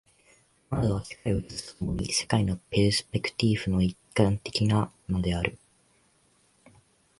モナドは世界を映すと共に、世界のペルスペクティーフの一観点なのである。